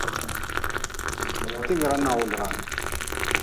Tigra nawdran.